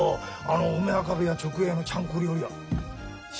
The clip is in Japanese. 梅若部屋直営のちゃんこ料理屋。